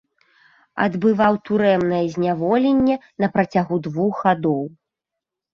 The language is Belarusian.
Адбываў турэмнае зняволенне на працягу двух гадоў.